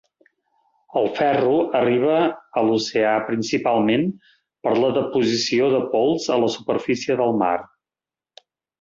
El ferro arriba a l'oceà principalment per la deposició de pols a la superfície del mar.